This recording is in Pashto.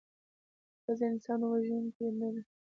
ښځه انسان وژوونکې نده